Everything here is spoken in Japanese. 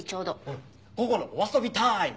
うん午後のお遊びタイム！